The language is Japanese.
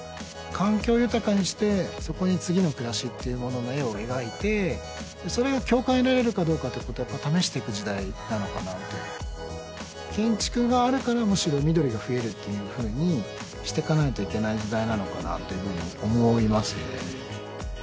環境豊かにしてそこに次の暮らしっていうものの絵を描いてそれが共感得られるかどうかっていうことはやっぱ試していく時代なのかなって建築があるからむしろ緑が増えるっていうふうにしてかないといけない時代なのかなっていうふうに思いますよね